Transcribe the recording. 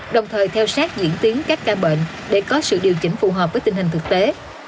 đồng thời theo sát diễn tiến các ca bệnh để có sự điều chỉnh phù hợp với tình hình thực tế